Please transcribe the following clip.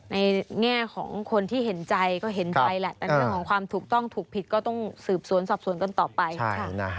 ในแง่ของคนที่เห็นใจก็เห็นใจแหละแต่เรื่องของความถูกต้องถูกผิดก็ต้องสืบสวนสอบสวนกันต่อไป